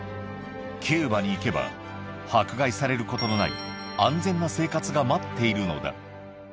キューバに行けば、迫害されることのない安全な生活が待っているのだ。